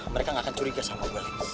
mereka gak akan curiga sama gue